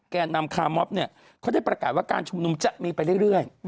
แก่นำคาร์มอฟเนี่ยเขาได้ประกาศว่าการชุมนุมจะมีไปเรื่อย